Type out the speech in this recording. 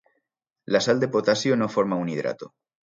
La sal de potasio no forma un hidrato.